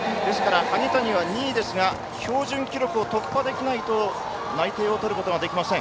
萩谷は２位ですが標準記録を突破できないと内定を取ることができません。